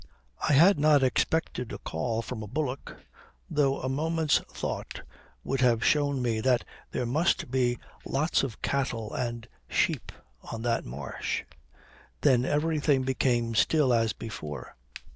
I had not expected a call from a bullock, though a moment's thought would have shown me that there must be lots of cattle and sheep on that marsh. Then everything became still as before.